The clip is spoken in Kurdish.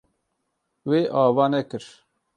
Wê ava nekir.